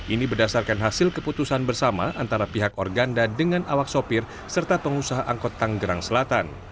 ini berdasarkan hasil keputusan bersama antara pihak organda dengan awak sopir serta pengusaha angkot tanggerang selatan